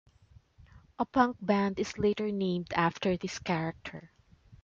A punk band is later named after this character.